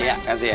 iya kasih ya